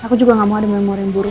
aku juga gak mau ada memori yang buruk